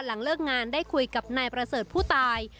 หลังเลิกงานได้คุยกับนายประเสริฐผู้ตาย